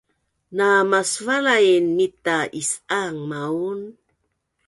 namasvalain mita is’aang maun